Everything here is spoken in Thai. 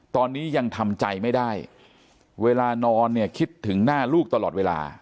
ตอนนี้ยังทำใจไม่ได้เวลานอนเนี่ยคิดถึงหน้าลูกตลอดเวลา